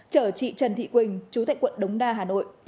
chở chị trần thị quỳnh chú tại quận đống đa hà nội